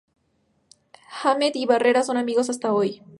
Hamed y Barrera son amigos hasta hoy.